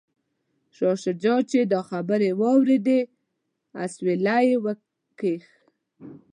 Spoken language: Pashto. شاه شجاع چې دا خبرې واوریدې اسویلی یې وکیښ.